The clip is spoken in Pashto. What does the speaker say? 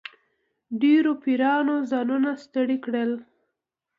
ډېرو پیرانو ځانونه ستړي کړل.